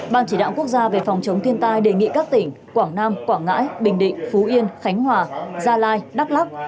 ban chỉ đạo quốc gia về phòng chống thiên tai đề nghị các tỉnh quảng nam quảng ngãi bình định phú yên khánh hòa gia lai đắk lắc